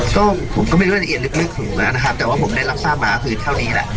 ก็ผมก็ไม่รู้ว่าเอียดลึกถูกนะครับแต่ว่าผมได้รักษามาคือเท่านี้แหละ